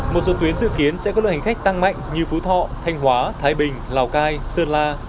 một số tuyến dự kiến sẽ có lượng hành khách tăng mạnh như phú thọ thanh hóa thái bình lào cai sơn la